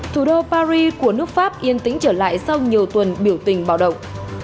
thủ đô paris của nước pháp yên tĩnh trở lại sau nhiều tuần biểu tình bạo động